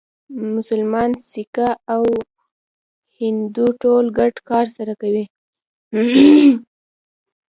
مسلمان، سیکه او هندو ټول ګډ کار سره کوي.